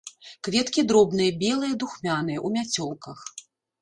Кветкі дробныя, белыя, духмяныя, у мяцёлках.